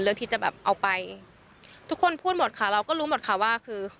ที่จะแบบเอาไปทุกคนพูดหมดค่ะเราก็รู้หมดค่ะว่าคือ